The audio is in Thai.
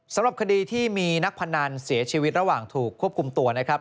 สำหรับคดีที่มีนักพนันเสียชีวิตระหว่างถูกควบคุมตัวนะครับ